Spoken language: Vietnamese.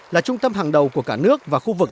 là trung tâm hàng đầu của cả nước và khu vực